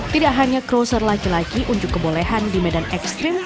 tidak hanya crosser laki laki unjuk kebolehan di medan ekstrim